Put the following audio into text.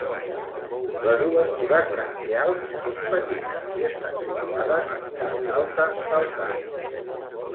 Les obertures branquials són petites i estan situades a la part alta del cap.